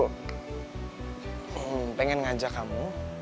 hmm pengen ngajak kamu